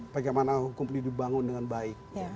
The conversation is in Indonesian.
bagaimana hukum ini dibangun dengan baik